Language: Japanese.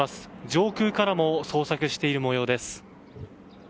上空からも捜索している模様です。